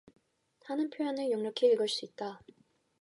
하는 표정을 역력히 읽을 수 있다.